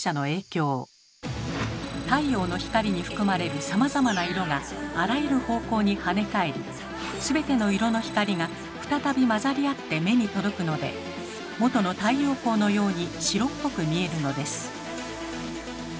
太陽の光に含まれるさまざまな色があらゆる方向にはね返り全ての色の光が再び混ざり合って目に届くのでもとの太陽光のように白っぽく見えるのです。